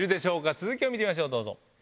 続きを見てみましょう。